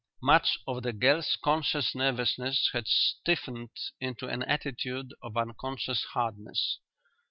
Much of the girl's conscious nervousness had stiffened into an attitude of unconscious hardness.